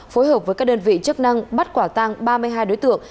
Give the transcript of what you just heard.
phối hợp với các đơn vị chức năng bắt quả tăng ba mươi hai đối tượng